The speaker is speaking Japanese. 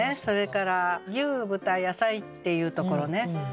それから「牛豚野菜」っていうところね。